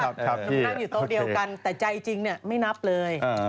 นั่งอยู่โต๊ะเดียวกันแต่ใจจริงไม่นับเลย